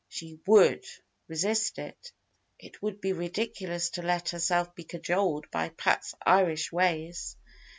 She would resist it! It would be ridiculous to let herself be cajoled by Pat's Irish ways.